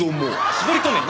絞り込めよ！